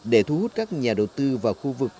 để thu hút các nhà đầu tư vào khu vực